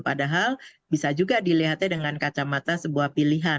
padahal bisa juga dilihatnya dengan kacamata sebuah pilihan